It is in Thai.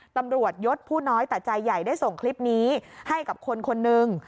ตำรวจยศผู้น้อยแต่ใจใหญ่ได้ส่งคลิปนี้ให้กับคนคนหนึ่ง